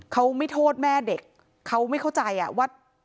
เขาไม่โทษแม่เด็กเขาไม่เข้าใจว่า